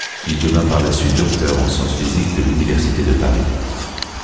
Il devient par la suite docteur en sciences physiques de l'Université de Paris.